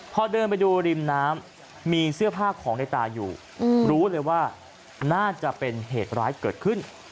พอเดินไปดูริมน้ำมีเสื้อผ้าของในตาอยู่รู้เลยว่าน่าจะเป็นเหตุร้ายเกิดขึ้น